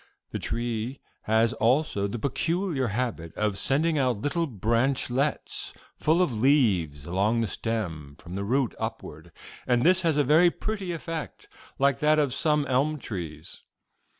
This tree has also the peculiar habit of sending out little branchlets full of leaves along the stem from the root upward, and this has a very pretty effect, like that of some elm trees.